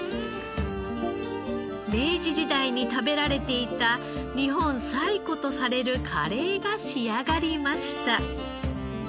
明治時代に食べられていた日本最古とされるカレーが仕上がりました。